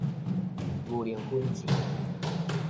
牛奶粉錢